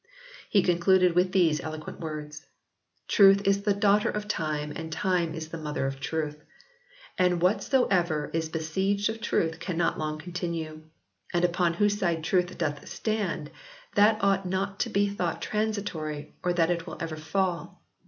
He concluded with these eloquent words: "Truth is the daughter of Time and Time is the mother of Truth; and what soever is besieged of Truth cannot long continue; and upon whose side Truth doth stand, that ought not to be thought transitory or that it will ever fall.